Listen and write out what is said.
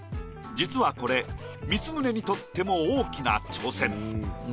実はこれ光宗にとっても大きな挑戦。